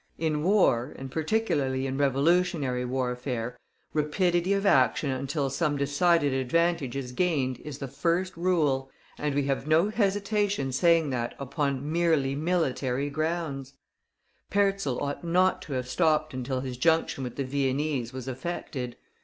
In war, and particularly in revolutionary warfare, rapidity of action until some decided advantage is gained is the first rule, and we have no hesitation in saying that upon merely military grounds. Perczel ought not to have stopped until his junction with the Viennese was affected.